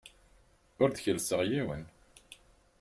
Ur d-kellseɣ yiwen.